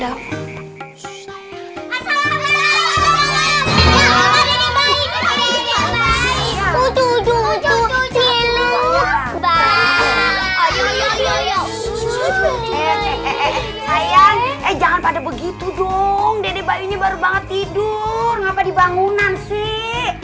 sayang jangan pada begitu dong dede bayunya baru banget tidur ngapa di bangunan sih